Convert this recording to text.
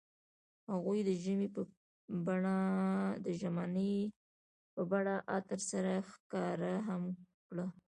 هغوی د ژمنې په بڼه عطر سره ښکاره هم کړه.